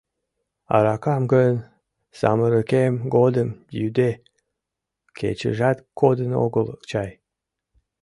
Аракам гын, самырыкем годым, йӱде, кечыжат кодын огыл чай.